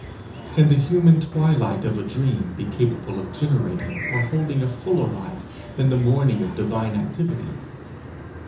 Can the human twilight of a dream be capable of generating or holding a fuller life than the morning of divine activity?